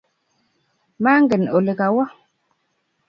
Mangen olegawa